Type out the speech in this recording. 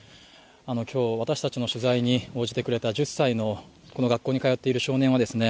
あの今日私達の取材に応じてくれた１０歳の子の学校に通っている少年はですね